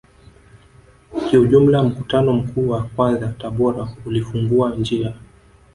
Kiujumla mkutano mkuu wa kwanza Tabora ulifungua njia